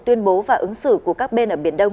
tuyên bố và ứng xử của các bên ở biển đông